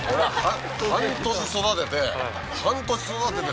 半年育てて。